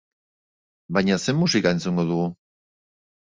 Baina ze musika entzungo dugu?